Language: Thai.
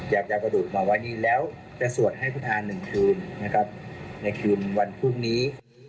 จะเอากระดูกมาไว้นี่แล้วจะสวดให้คุณอาหนึ่งคืนนะครับในคืนวันพรุ่งนี้